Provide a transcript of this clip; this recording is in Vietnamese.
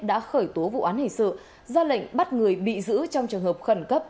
đã khởi tố vụ án hình sự ra lệnh bắt người bị giữ trong trường hợp khẩn cấp